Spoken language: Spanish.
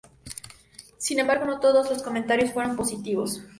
Sin embargo, no todos los comentarios fueron positivos.